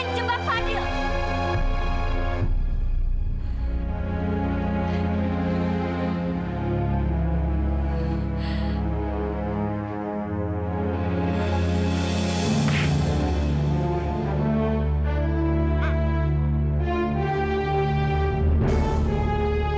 sampai jumpa fadil